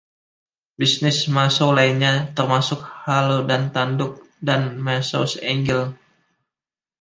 Bisnis Massow lainnya termasuk "Halo dan Tanduk" dan "Massows Angels".